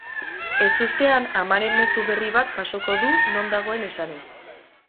Ezustean, amaren mezu berri bat jasoko du non dagoen esanez.